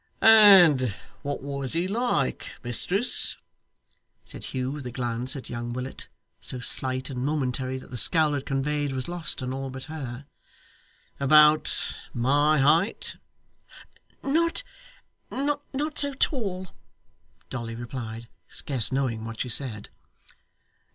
'And what was he like, mistress?' said Hugh with a glance at young Willet, so slight and momentary that the scowl it conveyed was lost on all but her. 'About my height?' 'Not not so tall,' Dolly replied, scarce knowing what she said.